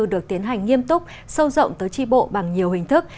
được tiến hành nghiêm túc sâu rộng tới tri bộ bằng nhiều hình thức